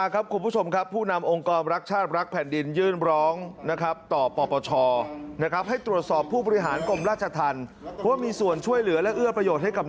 ก็ขอออกไปรักษาตัวที่โรงพยาบาลนอกเรือนจำ